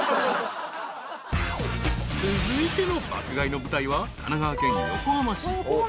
［続いての爆買いの舞台は神奈川県横浜市］